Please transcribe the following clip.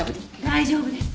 大丈夫です。